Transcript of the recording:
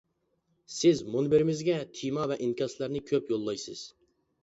سىز مۇنبىرىمىزگە تېما ۋە ئىنكاسلارنى كۆپ يوللايسىز.